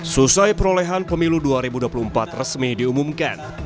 selesai perolehan pemilu dua ribu dua puluh empat resmi diumumkan